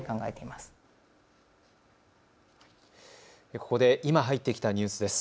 ここで今、入ってきたニュースです。